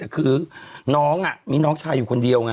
คือน้องมีน้องชายอยู่คนเดียวไง